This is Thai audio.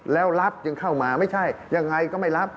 แล้วรัฐจึงเข้ามาไม่ใช่ยังไงก็ไม่รับ